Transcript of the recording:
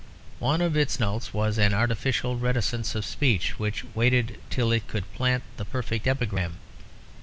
One of its notes was an artificial reticence of speech, which waited till it could plant the perfect epigram.